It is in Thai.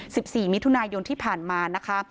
สิบสี่มิถุนายนที่ผ่านมานะคะ